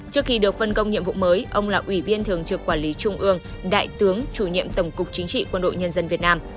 trước khi được phân công nhiệm vụ mới ông là ủy viên thường trực quản lý trung ương đại tướng chủ nhiệm tổng cục chính trị quân đội nhân dân việt nam